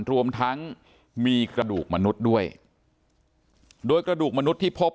รวมทั้งมีกระดูกมนุษย์ด้วยโดยกระดูกมนุษย์ที่พบ